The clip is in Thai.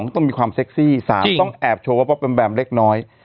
ต้องมีความเซ็กซี่๓ต้องแอบโชว์ว่าแบมเล็กน้อย